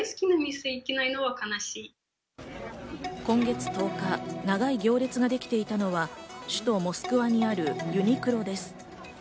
今月１０日、長い行列ができていたのは首都モスクワにあるユニクロです。